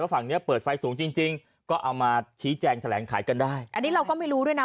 ฝั่งเนี้ยเปิดไฟสูงจริงจริงก็เอามาชี้แจงแถลงขายกันได้อันนี้เราก็ไม่รู้ด้วยนะ